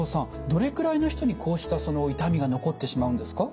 どれくらいの人にこうした痛みが残ってしまうんですか？